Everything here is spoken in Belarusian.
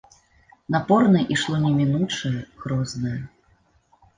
Напорна ішло немінучае, грознае.